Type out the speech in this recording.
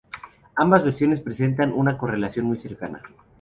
Ambas versiones presentan una correlación muy cercana.